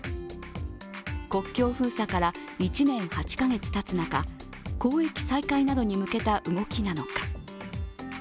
国境封鎖から１年８カ月たつ中交易再開などに向けた動きなのか。